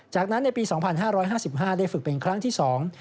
จากนั้นในปี๒๕๕๕ได้ฝึกเป็นครั้งที่สอง